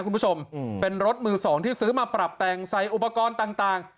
คุณผู้ชมเป็นรถมือสองที่ซื้อมาปรับแต่งใส่อุปกรณ์ต่าง